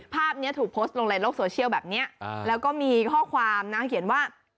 ภาพนี้ถูกโพสต์ลงในโลกโซเชียลแบบนี้แล้วก็มีข้อความนะเขียนว่า